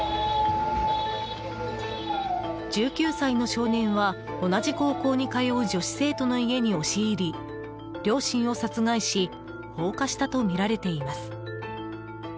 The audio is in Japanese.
１９歳の少年は、同じ高校に通う女子生徒の家に押し入り両親を殺害し放火したとみられています。